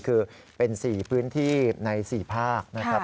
คือเป็น๔พื้นที่ใน๔ภาคนะครับ